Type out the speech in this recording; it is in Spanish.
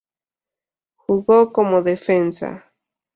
Jugó como defensa.